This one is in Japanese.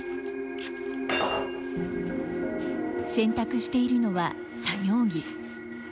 洗濯しているのは作業着。